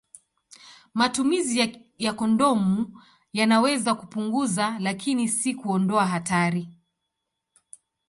Matumizi ya kondomu yanaweza kupunguza, lakini si kuondoa hatari.